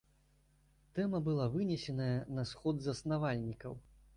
Тэма была вынесеная на сход заснавальнікаў.